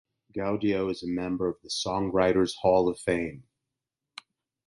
Gaudio is a member of the Songwriters Hall of Fame.